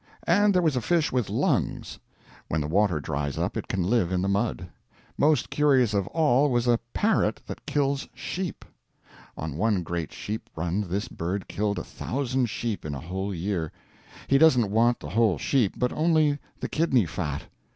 And there was a fish with lungs. When the water dries up it can live in the mud. Most curious of all was a parrot that kills sheep. On one great sheep run this bird killed a thousand sheep in a whole year. He doesn't want the whole sheep, but only the kidney fat.